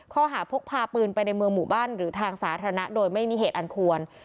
ข้อหาพกพาปืนไปในเมืองหมู่บ้านหรือทางสาธารณะโดยไม่มีเหตุอันควร